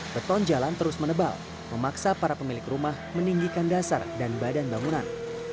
beton jalan terus menebal memaksa para pemilik rumah meninggikan dasar dan badan bangunan